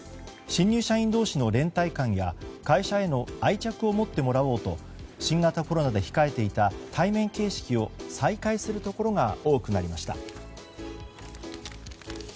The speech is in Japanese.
新入社員同士の連帯感や会社への愛着を持ってもらおうと新型コロナで控えていた対面形式を再開するところが多くなりました。